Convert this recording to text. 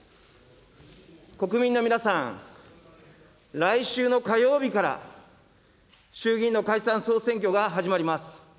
国民の皆さん、来週の火曜日から衆議院の解散・総選挙が始まります。